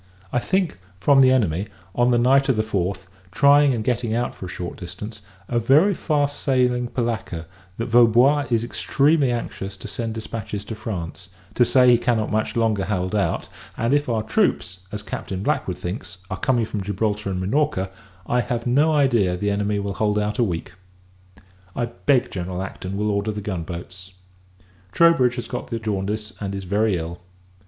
I think, from the enemy, on the night of the fourth, trying and getting out for a short distance, a very fast sailing polacca, that Vaubois is extremely anxious to send dispatches to France, to say he cannot much longer hold out: and, if our troops, as Captain Blackwood thinks, are coming from Gibraltar and Minorca, I have no idea the enemy will hold out a week. I beg General Acton will order the gun boats. Troubridge has got the jaundice, and is very ill.